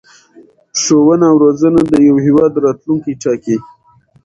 ښوونه او رزونه د یو هېواد راتلوونکی ټاکي.